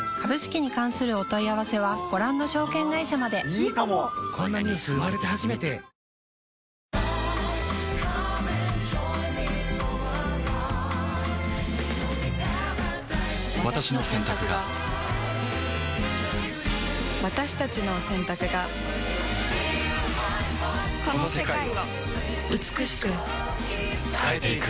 詳しくはニュースサイトＦＮＮプ私の選択が私たちの選択がこの世界を美しく変えていく